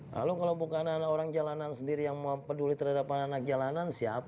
lalu kalau bukan anak orang jalanan sendiri yang peduli terhadap anak anak jalanan siap